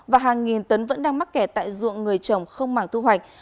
và hàng nghìn tấn vẫn đang mắc kẻ tại ruộng người chồng không mảng thu hoạch